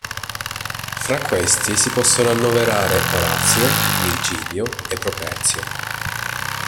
Fra questi si possono annoverare Orazio, Virgilio e Properzio.